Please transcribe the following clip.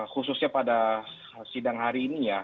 khususnya pada sidang hari ini ya